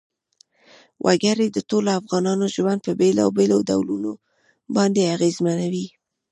وګړي د ټولو افغانانو ژوند په بېلابېلو ډولونو باندې اغېزمنوي.